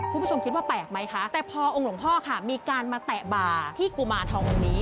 คุณผู้ชมคิดว่าแปลกไหมคะแต่พอองค์หลวงพ่อค่ะมีการมาแตะบ่าที่กุมารทององค์นี้